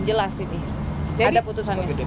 jelas ini ada putusannya